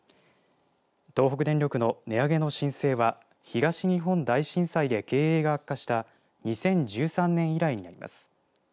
東北電力の値上げの申請は東日本大震災で経営が悪化した２０１３年以来になります。